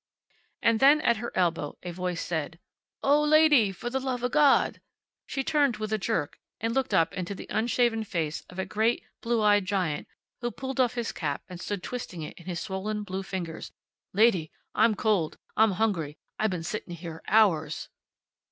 And then, at her elbow, a voice said, "Oh, lady, for the lova God!" She turned with a jerk and looked up into the unshaven face of a great, blue eyed giant who pulled off his cap and stood twisting it in his swollen blue fingers. "Lady, I'm cold. I'm hungry. I been sittin' here hours."